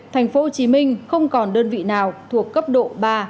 tp hcm không còn đơn vị nào thuộc cấp độ ba